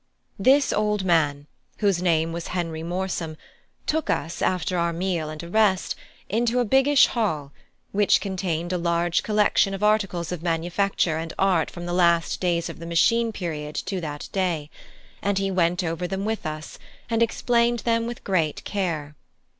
This old man, whose name was Henry Morsom, took us, after our meal and a rest, into a biggish hall which contained a large collection of articles of manufacture and art from the last days of the machine period to that day; and he went over them with us, and explained them with great care.